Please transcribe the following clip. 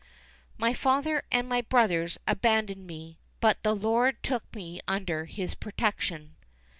_ "My father and my brothers abandoned me; but the Lord took me under his protection."